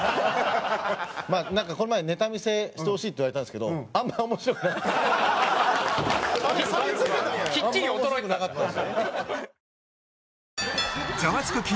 まあなんかこの前ネタ見せしてほしいって言われたんですけどきっちり衰えてたんだ。